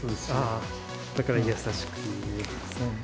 だから優しく。